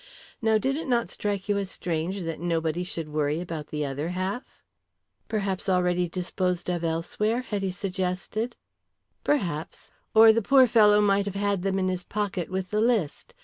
Now, did it not strike you as strange that nobody should worry about the other half?" "Perhaps already disposed of elsewhere?" Hetty suggested. "Perhaps. Or the poor fellow might have had them in his pocket with the list.